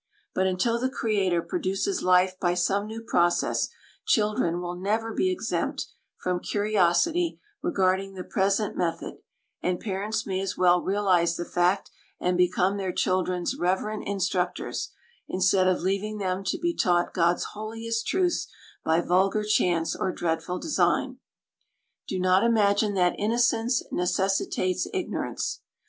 But until the Creator produces life by some new process, children will never be exempt from curiosity regarding the present method, and parents may as well realize the fact and become their children's reverent instructors, instead of leaving them to be taught God's holiest truths by vulgar chance or dreadful design. Do not imagine that innocence necessitates ignorance.